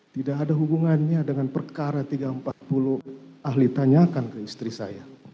tidak ada hubungannya dengan perkara tiga ratus empat puluh ahli tanyakan ke istri saya